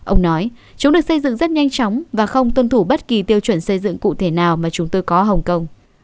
ông nói chúng được xây dựng rất nhanh chóng và không tuân thủ bất kỳ tiêu chuẩn xây dựng cụ thể nào mà chúng tôi có hồng kông